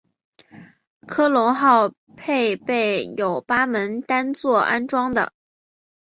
科隆号配备有八门单座安装的。